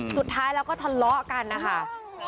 สุดท้ายแล้วก็ทะเลาะกันนะคะ